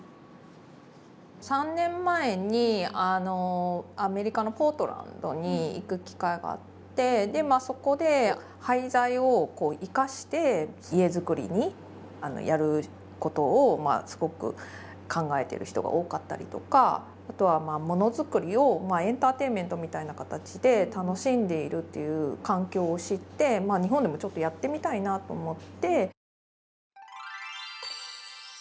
３年前にアメリカのポートランドに行く機会があってでそこで廃材を生かして家づくりにやることをすごく考えてる人が多かったりとかあとはものづくりをエンターテインメントみたいな形で楽しんでいるという環境を知って日本でもちょっとやってみたいなと思って。